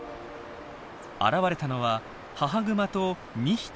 現れたのは母グマと２匹の子ども。